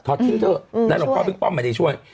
ถอดทิ้งเถอะแล้วหลวงพ่อบิ๊กป้อมมาดีช่วย